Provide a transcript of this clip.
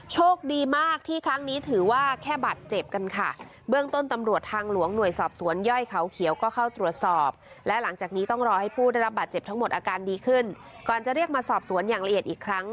โชคดีมากที่ครั้งนี้ถือว่าแค่บาดเจ็บกันค่ะเบื้องต้นตำรวจทางหลวงหน่วยสอบสวนย่อยเขาเขียวก็เข้าตรวจสอบและหลังจากนี้ต้องรอให้ผู้ได้รับบาดเจ็บทั้งหมดอาการดีขึ้นก่อนจะเรียกมาสอบสวนอย่างละเอียดอีกครั้ง